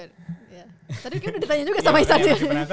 tadi kayaknya udah ditanya juga sama isat